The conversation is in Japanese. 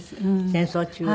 戦争中は。